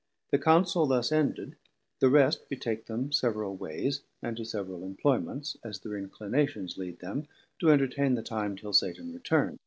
The Councel thus ended, the rest betake them several wayes and to several imployments, as thir inclinations lead them, to entertain the time till Satan return.